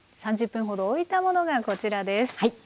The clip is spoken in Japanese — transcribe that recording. ３０分ほどおいたものがこちらです。